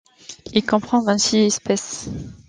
Il comprend vingt-six espèces.